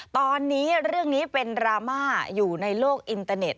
ตอนนี้เรื่องนี้เป็นดราม่าอยู่ในโลกอินเตอร์เน็ต